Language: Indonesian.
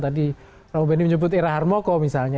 tadi romo beni menyebut era harmoko misalnya